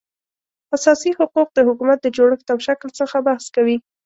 اساسي حقوق د حکومت د جوړښت او شکل څخه بحث کوي